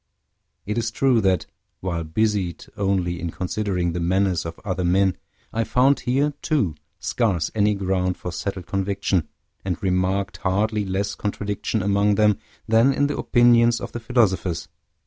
It is true that, while busied only in considering the manners of other men, I found here, too, scarce any ground for settled conviction, and remarked hardly less contradiction among them than in the opinions of the philosophers.